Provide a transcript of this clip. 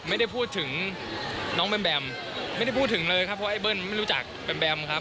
ไม่ได้พูดถึงน้องแบมแบมไม่ได้พูดถึงเลยครับเพราะไอ้เบิ้ลไม่รู้จักแบมแบมครับ